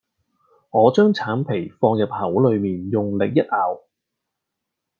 我將橙皮放入口裏面用力一咬